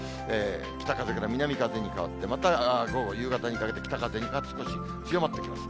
北風から南風に変わって、また午後、夕方にかけて、北風が少し強まってきます。